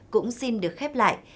cũng xin được khép lại